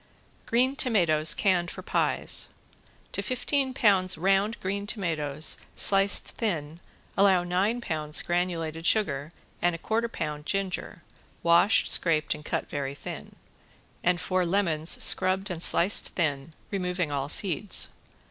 ~GREEN TOMATOES CANNED FOR PIES~ To fifteen pounds round green tomatoes sliced thin allow nine pounds granulated sugar and a quarter pound ginger, washed, scraped and cut very thin, and four lemons scrubbed and sliced thin, removing all seeds.